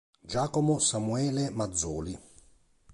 Giacomo Samuele Mazzoli